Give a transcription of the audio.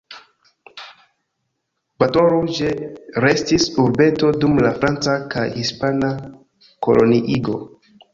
Baton Rouge restis urbeto dum la franca kaj hispana koloniigo.